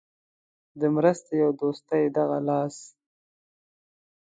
د مرستې او دوستۍ دغه لاس.